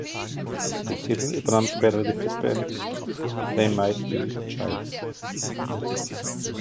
Den Titel übernahm später die Popband They Might Be Giants.